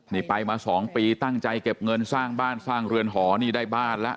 นี่ไปมา๒ปีตั้งใจเก็บเงินสร้างบ้านสร้างเรือนหอนี่ได้บ้านแล้ว